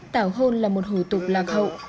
tảo hôn là một hủ tục lạc hậu